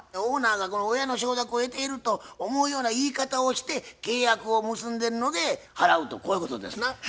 オーナーがこの親の承諾を得ていると思うような言い方をして契約を結んでるので払うとこういうことですな。